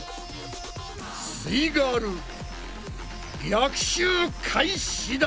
すイガール逆襲開始だ。